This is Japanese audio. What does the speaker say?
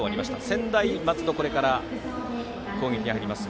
専大松戸がこれから攻撃に入ります。